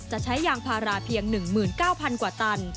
จะใช้ยางพาราเพียง๑๙๐๐กว่าตัน